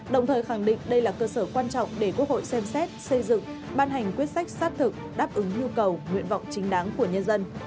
đồng thời khẳng định đây là cơ sở quan trọng để quốc hội xem xét xây dựng ban hành quyết sách sát thực đáp ứng nhu cầu nguyện vọng chính đáng của nhân dân